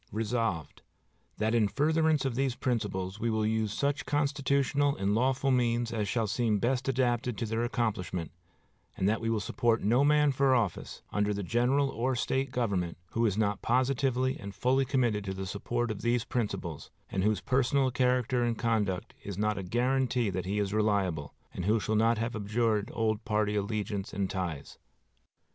Resolved, "That in furtherance of these principles we will use such constitutional and lawful means as shall seem best adapted to their accomplishment, and that we will support no man for office, under the general or State government, who is not positively and fully committed to the support of these principles, and whose personal character and conduct is not a guarantee that he is reliable, and who shall not have abjured old party allegiance and ties."